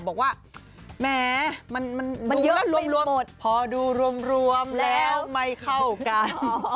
บอกว่าแหมมันเยอะรวมหมดพอดูรวมแล้วไม่เข้ากัน